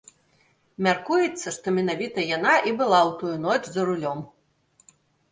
Мяркуецца, што менавіта яна і была ў тую ноч за рулём.